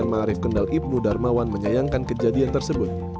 pendidikan marif kendal ibnu darmawan menyayangkan kejadian tersebut